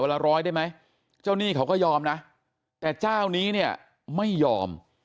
ละร้อยได้ไหมเจ้าหนี้เขาก็ยอมนะแต่เจ้านี้เนี่ยไม่ยอม